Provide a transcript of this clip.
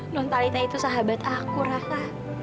lontalita itu sahabat aku raka